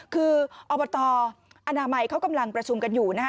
คืออบตอนามัยเขากำลังประชุมกันอยู่นะฮะ